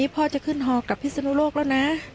พ่อจะขึ้นฮอกับพิศนุโลกแล้วนะ